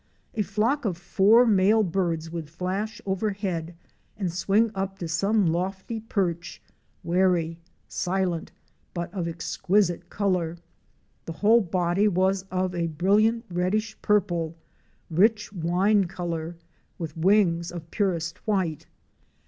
'" A flock of four male birds would flash overhead and swing up to some lofty perch, wary, silent, but of exquisite color. The whole body was of a brilliant reddish purple — rich wine color — with wings of purest white.